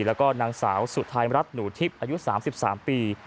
แล้วก็นางสาวสุธายมรัฐหนูทิพย์อายุ๓๓ปี